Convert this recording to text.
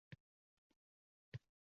unda qushlar kuylab berar bahor bayotin